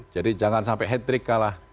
jadi jangan sampai hedrick kalah